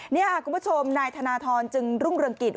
นี่ค่ะคุณผู้ชมนายธนทรจึงรุ่งเรืองกิจ